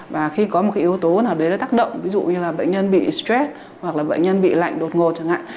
và khi có một cái yếu tố nào đấy nó tác động ví dụ như là bệnh nhân bị stress hoặc là bệnh nhân bị lạnh đột ngột chẳng hạn